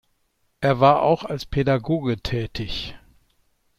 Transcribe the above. Er war auch als Pädagoge tätig.